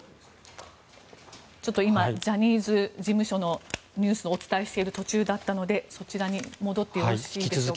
今、ジャニーズ事務所のニュースをお伝えしている途中だったのでそちらに戻ってよろしいでしょうか。